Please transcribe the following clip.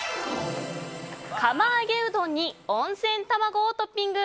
釜揚げうどんに温泉卵をトッピング。